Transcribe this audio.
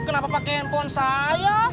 kenapa pake handphone saya